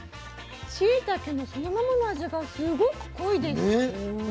しいたけのそのままの味がすごく濃いです。